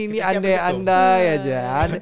ini andai andai aja